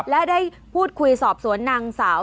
และได้พูดคุยสอบสวนนางสาว